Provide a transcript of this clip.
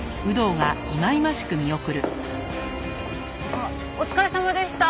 あっお疲れさまでした。